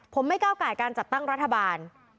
ผมไม่ก้าวไก่การจัดตั้งรัฐบาล